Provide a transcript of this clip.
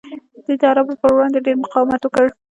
دوی د عربو پر وړاندې ډیر مقاومت وکړ